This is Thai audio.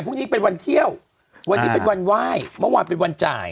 พรุ่งนี้เป็นวันเที่ยววันนี้เป็นวันไหว้เมื่อวานเป็นวันจ่าย